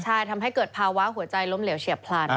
ใช่ทำให้เกิดภาวะหัวใจล้มเหลวเฉียบพลัน